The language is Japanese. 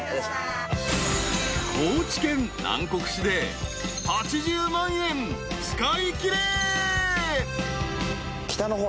［高知県南国市で８０万円使いきれ］